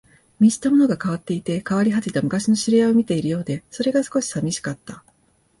見知ったものが変わっていて、変わり果てた昔の知り合いを見ているようで、それが少し寂しかった